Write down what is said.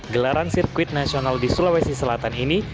gelaran sirkuit nasional di sulawesi selatan ini